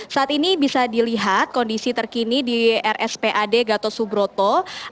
saat ini bisa dilihat kondisi terkini di rspad gatot subroto